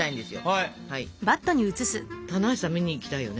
棚橋さん見に行きたいよね。